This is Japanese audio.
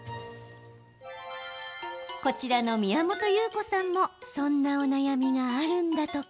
こちらの宮本優子さんもそんなお悩みがあるんだとか。